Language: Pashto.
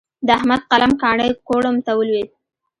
د احمد قلم کاڼی کوړم ته ولوېد.